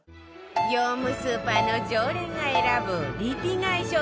業務スーパーの常連が選ぶリピ買い